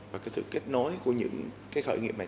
và sự kết nối của những khởi nghiệp này